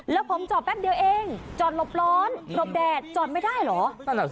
แล้วผมจอดแป๊บเดียวเองจอดหลบร้อนหลบแดดจอดไม่ได้เหรอ